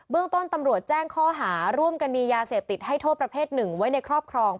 เรื่องต้นตำรวจแจ้งข้อหาร่วมกันมียาเสพติดให้โทษประเภทหนึ่งไว้ในครอบครอง